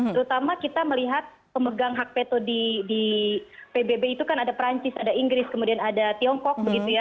terutama kita melihat pemegang hak peto di pbb itu kan ada perancis ada inggris kemudian ada tiongkok begitu ya